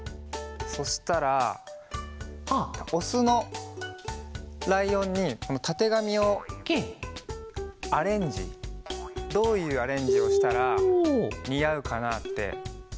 そしたらオスのライオンにたてがみをアレンジどういうアレンジをしたらにあうかなってきいてもらおうかな。